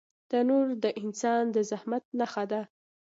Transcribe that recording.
تنور د انسان د زحمت نښه ده